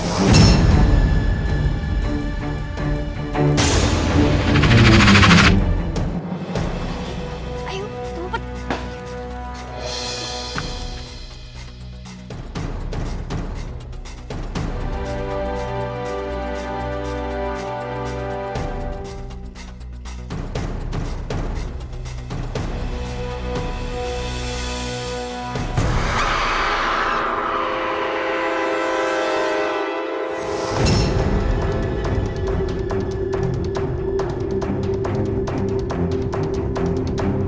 kalau serangan jantung bu